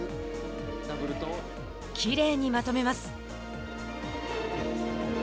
きれいにまとめます。